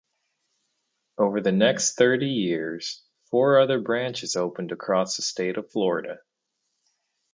Over the next thirty years, four other branches opened across the state of Florida.